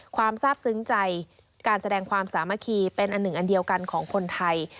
ความทราบซึ้งใจการแสดงความสามัคคีเป็นอันหนึ่งอันเดียวกันของคนไทย